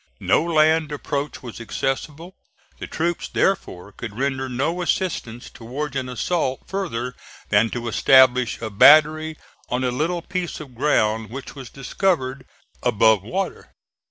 No land approach was accessible. The troops, therefore, could render no assistance towards an assault further than to establish a battery on a little piece of ground which was discovered above water.